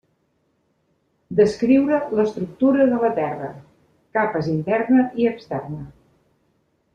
Descriure l'estructura de la Terra: capes interna i externa.